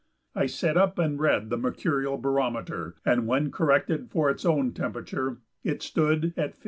I set up and read the mercurial barometer, and when corrected for its own temperature it stood at 15.